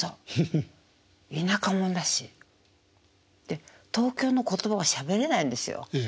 で東京の言葉はしゃべれないんですよ。